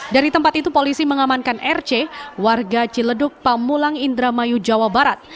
dari tempat itu polisi mengamankan rc warga ciledug pamulang indramayu jawa barat